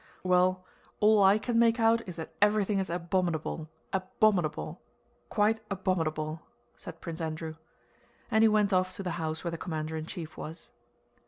"Well, all I can make out is that everything is abominable, abominable, quite abominable!" said Prince Andrew, and he went off to the house where the commander in chief was.